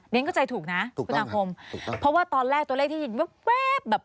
นี่ก็ใจถูกนะคุณอังคมพอว่าตอนแรกตัวเลขที่ยิ่งแว๊บ